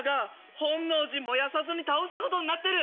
本能寺燃やさずに倒したことになってる。